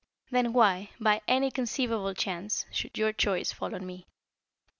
Then why, by any conceivable chance, should your choice fall on me?"